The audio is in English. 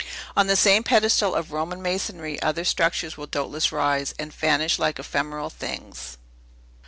On the same pedestal of Roman masonry, other structures will doubtless rise, and vanish like ephemeral things.